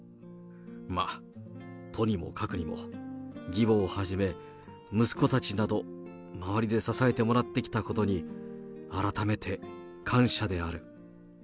ま、とにもかくにも、義母をはじめ、息子たちなど周りで支えてもらってきたことに、改めて感謝である。